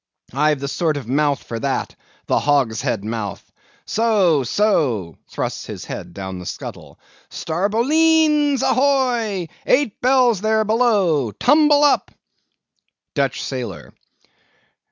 I've the sort of mouth for that—the hogshead mouth. So, so, (thrusts his head down the scuttle,) Star bo l e e n s, a h o y! Eight bells there below! Tumble up! DUTCH SAILOR.